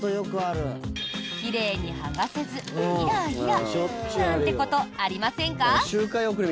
奇麗に剥がせずイライラなんてことありませんか？